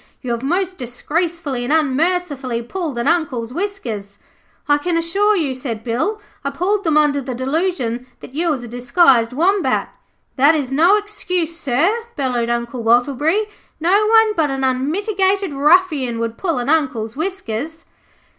You have most disgracefully and unmercifully pulled an Uncle's whiskers.' 'I can assure you,' said Bill, 'I pulled them under the delusion that you was a disguised Wombat.' 'That is no excuse, sir,' bellowed Uncle Wattleberry. 'No one but an unmitigated ruffian would pull an Uncle's whiskers.